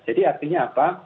jadi artinya apa